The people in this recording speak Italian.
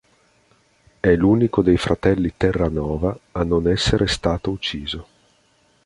È l'unico dei fratelli Terranova a non essere stato ucciso.